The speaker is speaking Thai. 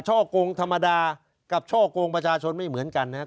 กงธรรมดากับช่อกงประชาชนไม่เหมือนกันนะครับ